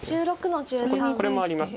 これもあります。